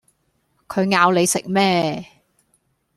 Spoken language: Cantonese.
佢咬你食咩